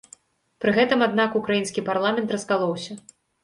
Пры гэтым, аднак, украінскі парламент раскалоўся.